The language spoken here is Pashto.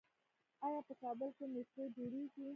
آیا په کابل کې میټرو جوړیږي؟